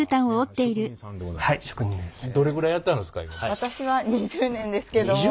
私は２０年ですけども。